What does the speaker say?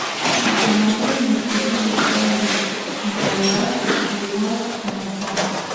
د ناول مرکزي لوبغاړي نايله، ډېوه، جمال خان،